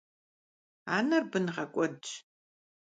Aner bın ğek'uedş.